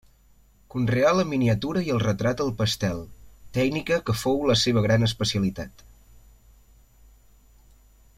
Conreà la miniatura i el retrat al pastel, tècnica que fou la seva gran especialitat.